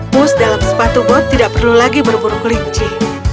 pus dalam sepatu bot tidak perlu lagi berburu buru linci